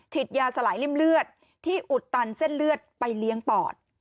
ยาสลายริ่มเลือดที่อุดตันเส้นเลือดไปเลี้ยงปอด